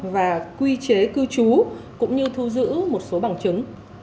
và quy chế cư trú cũng như thu giữ một số bằng chứng